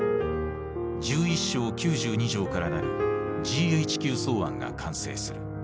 １１章９２条から成るＧＨＱ草案が完成する。